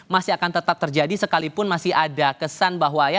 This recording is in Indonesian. masih akan tetap terjadi sekalipun masih ada kesan bahwa ya